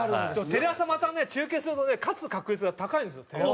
テレ朝またね中継するとね勝つ確率が高いんですよ。